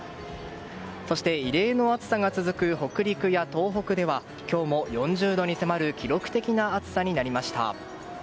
そして、異例の暑さが続く北陸や東北では今日も４０度に迫る記録的な暑さになりました。